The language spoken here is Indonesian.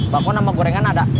bakon sama gorengan ada